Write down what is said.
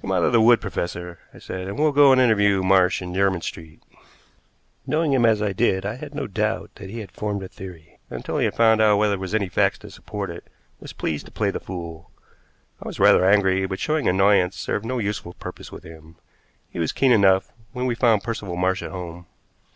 "Come out of the wood, professor," I said, "and we'll go and interview Marsh in Jermyn Street." Knowing him as I did, I had no doubt that he had formed a theory, and, until he had found whether there were any facts to support it, was pleased to play the fool. I was rather angry, but showing annoyance served no useful purpose with him. He was keen enough when we found Percival Marsh at home.